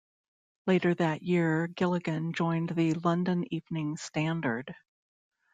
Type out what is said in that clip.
Later that year Gilligan joined the "London Evening Standard".